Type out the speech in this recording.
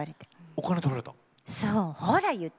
お金取られた？